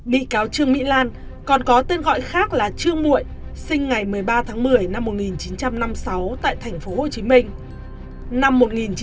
bị cáo trương mỹ lan còn có tên gọi khác là trương mụi sinh ngày một mươi ba tháng một mươi năm một nghìn chín trăm năm mươi sáu tại thành phố hồ chí minh